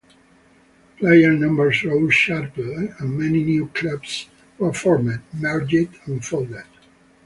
Player numbers rose sharply, and many new clubs were formed, merged and folded.